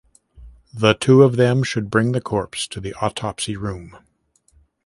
The two of them should bring the corpse to the autopsy room.